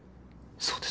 そうです。